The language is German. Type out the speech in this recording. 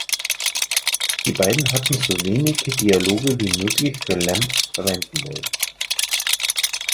Die beiden hatten so wenige Dialoge wie möglich für "Lamb" verwenden wollen.